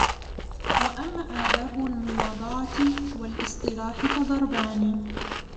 وَأَمَّا آدَابُ الْمُوَاضَعَةِ وَالِاصْطِلَاحِ فَضَرْبَانِ